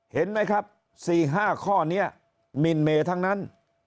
เห็นไหมครับ๔๕ข้อนี้มินเมทั้งนั้น